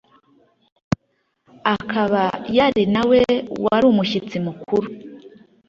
akaba yari na we wari umushyitsi mukuru